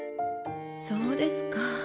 そうですか。